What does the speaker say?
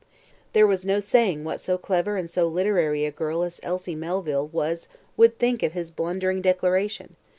There was no saying what so clever and so literary a girl as Elsie Melville was would think of his blundering declaration.